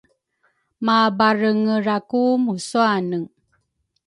mabarengeraku musuane.